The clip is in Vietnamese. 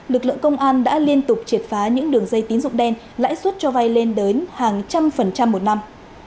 lực lượng công an đã liên tục triệt phá những đường dây tín dụng đen lãi suất cho vay lên đến hàng trăm phần trăm một năm